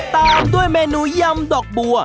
ตามด้วยเมนูยำดอกบัว